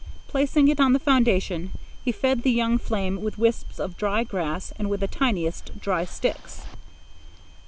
Placing it on the foundation, he fed the young flame with wisps of dry grass and with the tiniest dry twigs.